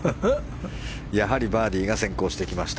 やはりバーディーが先行してきました。